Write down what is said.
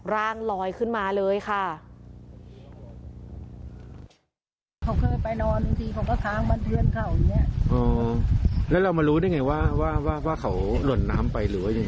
ร่างลอยขึ้นมาเลยค่ะ